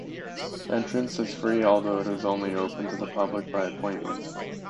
Entrance is free, although it is only open to the public by appointment.